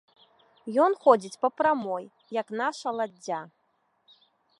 Ён ходзіць па прамой, як наша ладдзя.